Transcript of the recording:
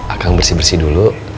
akang bersih bersih dulu